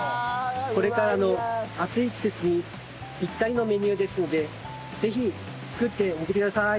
これからの暑い季節にピッタリのメニューですのでぜひ作ってみてください！